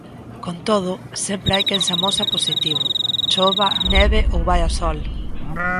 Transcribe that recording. Con todo, sempre hai quen se amosa positivo, chova, neve ou vaia sol.